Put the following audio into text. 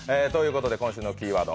今週のキーワード